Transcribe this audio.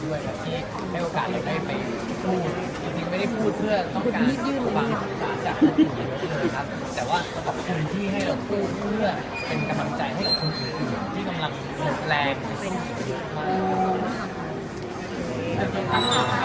แต่ว่าขอบคุณที่ให้เราพูดเพื่อเป็นกำลังใจให้คุณที่กำลังแรงมากับคุณ